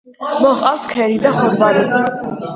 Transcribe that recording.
მოჰყავთ ქერი და ხორბალი.